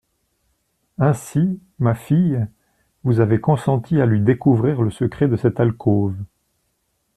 Ainsi, ma fille, vous avez consenti à lui découvrir le secret de cette alcôve.